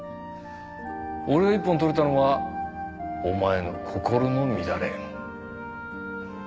俺が一本取れたのはお前の心の乱れ。